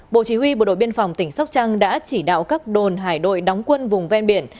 bộ chỉ huy bộ đội biên phòng tỉnh sóc trăng đã chỉ đạo các đồn hải đội đóng quân vùng ven biển